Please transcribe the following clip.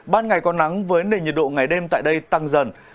ban ngày có nắng với nền nhiệt độ ngày đêm tại đây tăng dần